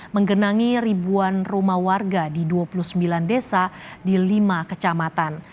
menggenangi ribuan rumah warga di dua puluh sembilan desa di lima kecamatan